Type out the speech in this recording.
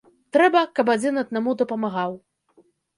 Трэба, каб адзін аднаму дапамагаў.